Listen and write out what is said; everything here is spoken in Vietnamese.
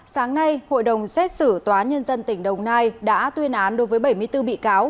sáng nay hội đồng xét xử tòa nhân dân tỉnh đồng nai đã tuyên án đối với bảy mươi bốn bị cáo